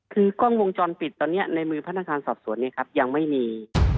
คือกล้องวงจรปิดตอนนี้ในมือพนักงานสอบสวนเนี่ยครับยังไม่มี